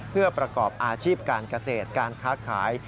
เพื่อประกอบอาชีพการเกษตรการค้าขาย